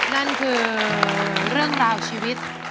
นั่นคือเรื่องราวชีวิต